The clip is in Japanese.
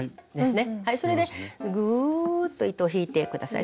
それでぐっと糸を引いて下さい。